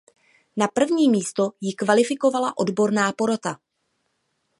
Na první místo ji kvalifikovala odborná porota.